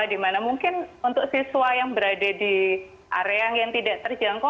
dimana mungkin untuk siswa yang berada di area yang tidak terjangkau